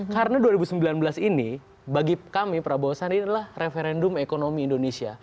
karena dua ribu sembilan belas ini bagi kami prabowo sandi ini adalah referendum ekonomi indonesia